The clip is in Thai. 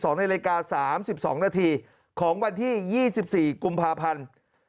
๒นาฬิกา๓๒นาทีของวันที่๒๔กุมภาพันธ์